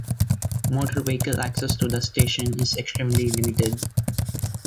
Motor vehicle access to the station is extremely limited.